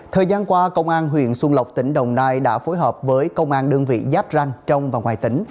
thời gian qua công an huyện xuân lộc tỉnh đồng nai đã phối hợp với công an đơn vị giáp ranh trong và ngoài tỉnh